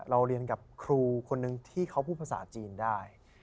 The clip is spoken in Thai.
เราเรียนกับครูคนนึงที่เขาพูดภาษาจีนได้